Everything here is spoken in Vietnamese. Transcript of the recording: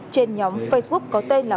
trên nhóm facebook có tên là